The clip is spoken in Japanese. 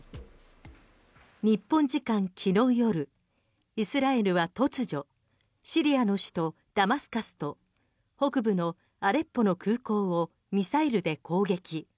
日本時間昨日夜イスラエルは突如シリアの首都ダマスカスと北部のアレッポの空港をミサイルで攻撃。